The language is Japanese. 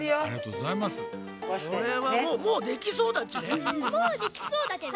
もうできそうだけどね。